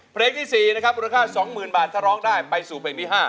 เพลงที่๔นะครับมูลค่า๒๐๐๐บาทถ้าร้องได้ไปสู่เพลงที่๕